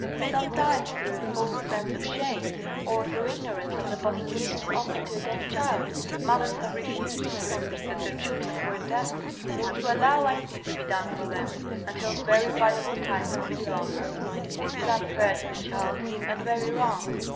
Sometimes, through a false sense of shame, or through ignorance of the possibilities open to a deaf child, mothers have refused to admit that their children were deaf, or to allow anything to be done for them, until very valuable time has been lost. This is unfair to the child, and very wrong.